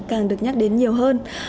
càng được nhắc đến nhiều hơn